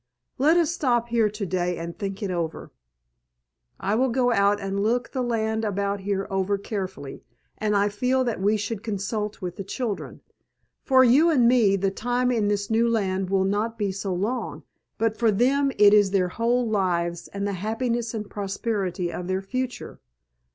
Let us stop here to day and think it over. I will go out and look the land about here over carefully, and I feel that we should consult with the children. For you and me the time in this new land will not be so long, but for them it is their whole lives and the happiness and prosperity of their future.